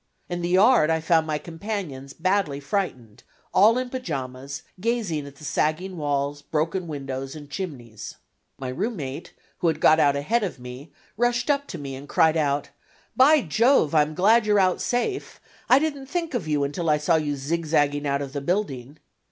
In the yard I found my companions, badly frightened, all in pajamas, gazing at the sagging walls, broken windows and chimneys. My roommate, who had got out ahead of me, rushed up to me, and cried out: "By Jove, I am glad you're out safe; I didn't think of you until I saw you zig zagging out of the building."